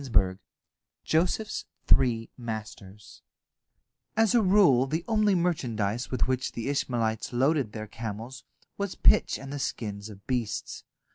JOSEPH'S THREE MASTERS As a rule the only merchandise with which the Ishmaelites loaded their camels was pitch and the skins of beasts.